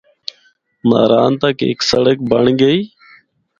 ناران تک ہک سڑک بنڑ گئی۔